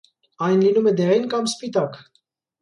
Այն լինում է դեղին կամ սպիտակ։